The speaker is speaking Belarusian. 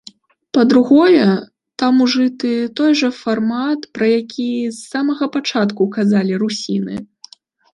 Па-другое, там ужыты той жа фармат, пра які з самага пачатку казалі русіны.